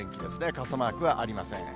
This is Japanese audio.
傘マークはありません。